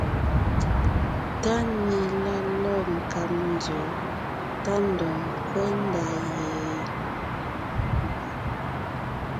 TÁNÈ la lɔ̂g nkáb nzɔ̌ tá ndɔg ńkwɛ́ ndá ye?